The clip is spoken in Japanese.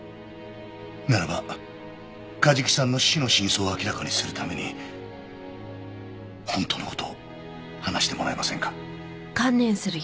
ならば梶木さんの死の真相を明らかにするために本当の事を話してもらえませんか？